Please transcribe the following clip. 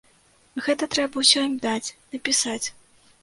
Гэта трэба ўсё ім даць, напісаць.